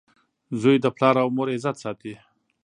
• زوی د پلار او مور عزت ساتي.